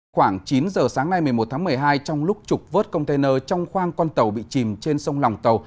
khoảng chín giờ sáng nay một mươi một tháng một mươi hai trong lúc trục vớt container trong khoang con tàu bị chìm trên sông lòng tàu